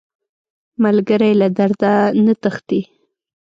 ملګری له درده نه تښتي